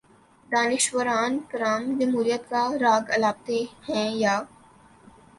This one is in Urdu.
دانشوران کرام جمہوریت کا راگ الاپتے ہیں یا